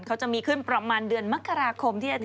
เขาจะมีขึ้นประมาณเดือนมกราคมที่อาทิตย์นี้นะคะ